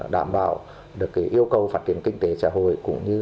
đảm bảo được yêu cầu phát triển kinh tế xã hội